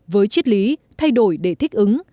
với chiếc lý thay đổi để thích ứng